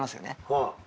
はい。